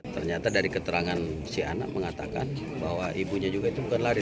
ternyata dari keterangan si anak mengatakan bahwa ibunya juga itu bukan lari